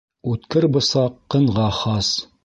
Үткер бысаҡ ҡынға хас.